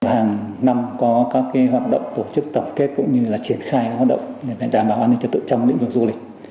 hàng năm có các hoạt động tổ chức tập kết cũng như là triển khai hoạt động đảm bảo an ninh trật tự trong lĩnh vực du lịch